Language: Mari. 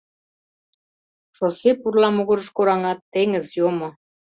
Шоссе пурла могырыш кораҥат, теҥыз йомо.